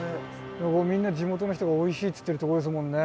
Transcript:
みんな地元の人がおいしいっつってるとこですもんね。